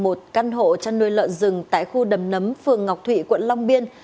ở một căn hộ chăn nuôi lợn rừng tại khu đầm nấm phương ngọc thụy quận long biên